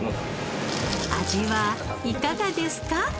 味はいかがですか？